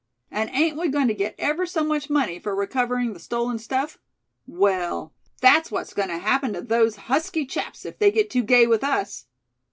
And ain't we going to get ever so much money for recovering the stolen stuff? Well, that's what's going to happen to those husky chaps if they get too gay with us.